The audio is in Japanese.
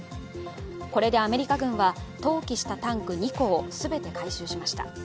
これでアメリカ軍は投棄したタンク２個を全て回収しました。